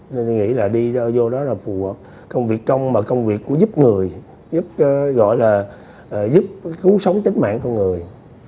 nên tôi nghĩ là đi vô đó là phù hợp công việc công bằng công việc của giúp người giúp gọi là giúp cứu sống tính mạng con người